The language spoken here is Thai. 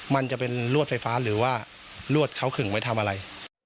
มันจะเป็นลวดไฟฟ้าหรือว่าลวดเขาขึงไว้ทำอะไร